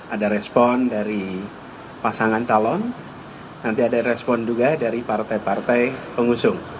ada respon dari pasangan calon nanti ada respon juga dari partai partai pengusung